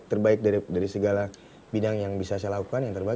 terbaik dari segala bidang yang bisa saya lakukan yang terbaik